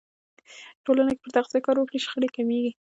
ټولنه که پر تغذیه کار وکړي، شخړې کمېږي.